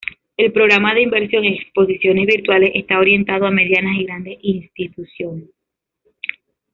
El Programa de Inversión en Exposiciones Virtuales está orientado a medianas y grandes instituciones.